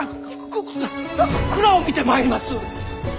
蔵を見てまいります！